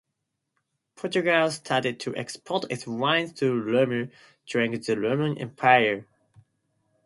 Portugal started to export its wines to Rome during the Roman Empire.